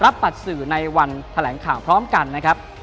บัตรสื่อในวันแถลงข่าวพร้อมกันนะครับ